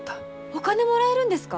お金もらえるんですか？